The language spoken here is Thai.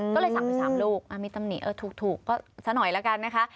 ก็เลย๓๓ลูกมีตำหนิถูกก็สักหน่อยแล้วกันนะคะ